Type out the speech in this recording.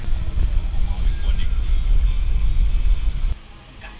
ส่วนข้อมีการหรือเปล่า